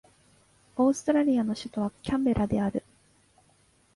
オーストラリアの首都はキャンベラである